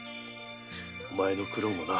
お前の苦労もな。